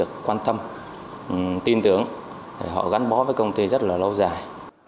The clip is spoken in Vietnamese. họ quan tâm tin tưởng họ gắn bó với công ty rất là lâu dài